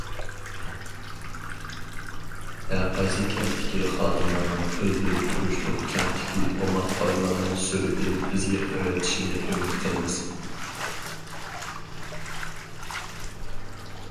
ھەرقايسى كەنتتىكى خادىملارنىڭ ئۆزلىرى تۇرۇشلۇق كەنتتىكى ئوماق بالىلارنىڭ سۈرىتىنى بىزگە ئەۋەتىشىنى ئۈمىد قىلىمىز.